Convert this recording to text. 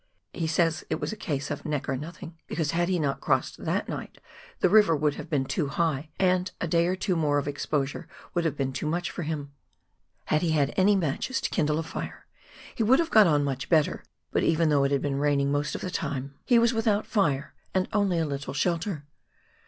He says it was a case of "neck or nothing," because had he not crossed that night the river would have been too high, and a day or two . more of exposure would have been too much for him. Had he had any matches to kindle a fire, he would have got on much better ; but even though it had been raining most of the time, 104 PIONEER WORK IN THE ALPS OF NEW ZEALAND. he was without fire and only a little shelter.